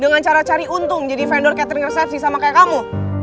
dengan cara cari untung jadi vendor catering resepsi sama kayak kamu